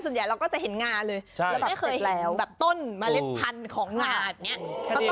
ส่วนใหญ่เราก็จะเห็นงาเลยใช่แล้วแบบไม่เคยเห็นแบบต้นมาเล็กพันธุ์ของงาแบบเนี้ย